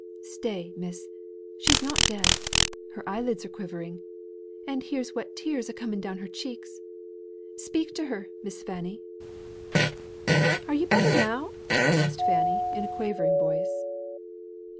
"Stay, miss! She's not dead: her eye lids are quivering, and here's wet tears a coming down her cheeks. Speak to her, Miss Fanny!" "Are you better now?" asked Fanny, in a quavering voice.